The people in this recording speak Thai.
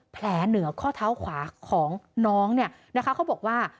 เหนือข้อเท้าขวาของน้องเนี่ยนะคะเขาบอกว่า